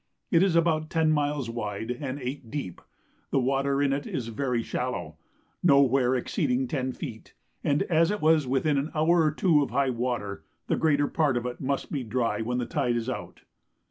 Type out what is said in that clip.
It is about ten miles wide and eight deep; the water in it is very shallow, no where exceeding ten feet; and as it was within an hour or two of high water, the greater part of it must be dry when the tide is out.